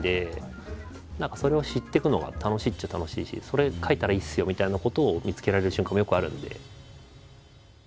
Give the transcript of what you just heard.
何かそれを知っていくのが楽しいっちゃ楽しいしそれ描いたらいいですよみたいなことを見つけられる瞬間もよくあるので。